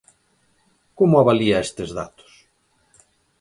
Como avalía estes datos?